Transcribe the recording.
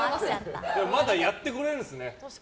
まだやってくれるんですね。